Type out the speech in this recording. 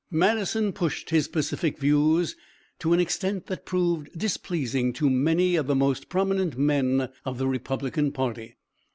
Madison pushed his pacific views to an extent that proved displeasing to many of the most prominent men of the Republican party.